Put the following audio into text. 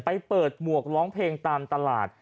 ไปเปิดหมวกร้องเพลงตามตลาด